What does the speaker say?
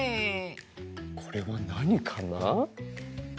これはなにかな？